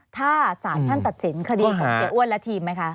ถ้าสารท่านตัดสินคดีของเสียอ้วนและทีมไหมคะ